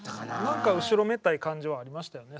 何か後ろめたい感じはありましたよね